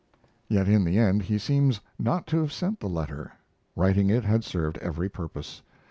Yet, in the end, he seems not to have sent the letter. Writing it had served every purpose.